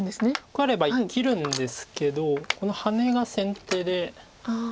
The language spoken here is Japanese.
こうやれば生きるんですけどこのハネが先手で。